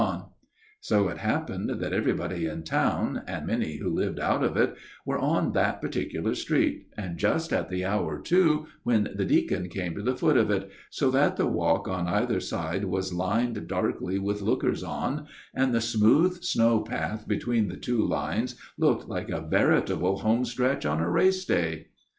And so it happened that everybody in town, and many who lived out of it, were on this particular street, and just at the hour, too, when the deacon came to the foot of it, so that the walk on either side was lined darkly with lookers on, and the smooth snow path between the two lines looked like a veritable homestretch on a race day.